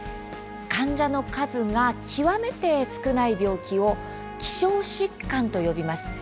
患者の数が極めて少ない病気を希少疾患と呼びます。